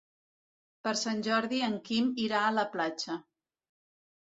Per Sant Jordi en Quim irà a la platja.